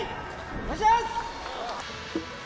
お願いします！